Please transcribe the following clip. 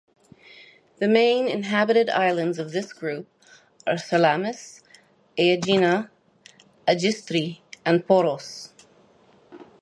The main inhabited islands of this group are Salamis, Aegina, Agistri, and Poros.